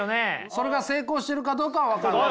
それが成功してるかどうかは分からない。